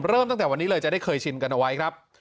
เริ่มตั้งแต่วันนี้เลยจะได้เคยชิมกันเอาไว้ครับ